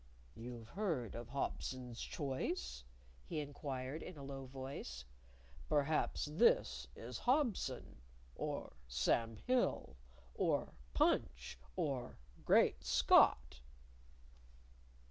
"You've heard of Hobson's choice?" he inquired in a low voice. "Perhaps this is Hobson, or Sam Hill, or Punch, or Great Scott."